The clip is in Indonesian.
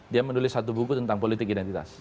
dia menulis satu buku tentang politik identitas